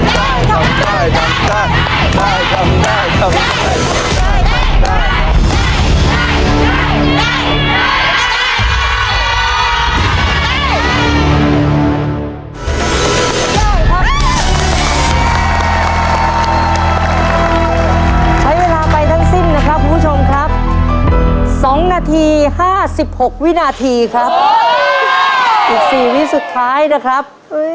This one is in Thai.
ใช้เวลาทั้งสิ้นนะครับคุณผู้ชมครับ๒นาที๕๖วินาทีครับอีก๔วิสุดท้ายนะครับ